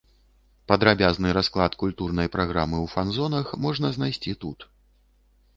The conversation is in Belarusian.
Падрабязны расклад культурнай праграмы ў фан-зонах можна знайсці тут.